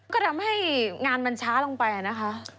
ก็ทำให้งานมันช้าลงไปนะคะ